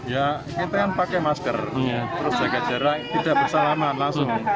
ya kita kan pakai masker terus jaga jarak tidak bersalaman langsung